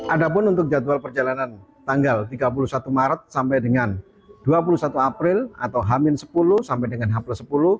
ada pun untuk jadwal perjalanan tanggal tiga puluh satu maret sampai dengan dua puluh satu april atau h sepuluh sampai dengan h sepuluh